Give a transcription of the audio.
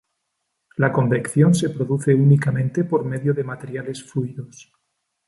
La convección se produce únicamente por medio de materiales fluidos.